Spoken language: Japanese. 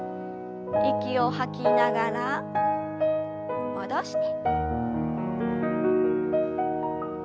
息を吐きながら戻して。